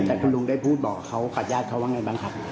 แต่คุณลุงได้พูดบอกเขากับญาติเขาว่าไงบ้างครับ